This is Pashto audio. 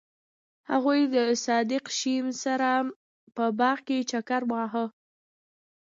هغوی د صادق شمیم سره په باغ کې چکر وواهه.